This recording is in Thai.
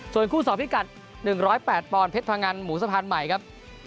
ส่วนคู่ส่อพิกัดหนึ่งร้อยแปดปอนด์เพชรพังงันหมูสะพานใหม่ครับ